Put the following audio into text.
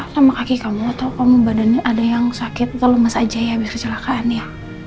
lama kaki kamu atau kamu badannya ada yang sakit atau lemes aja ya abis kecelakaan ya